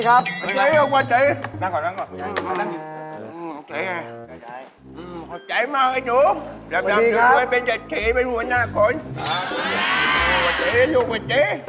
อาญายเอาอย่างนี้ครับ